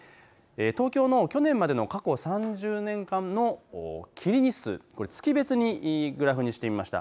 東京の去年までの過去３０年間の霧日数、月別にグラフにしてみました。